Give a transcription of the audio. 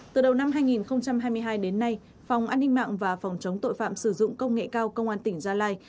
từ đầu năm hai nghìn hai mươi hai đến nay phòng an ninh mạng và phòng chống tội phạm sử dụng công nghệ cao công an tỉnh gia lai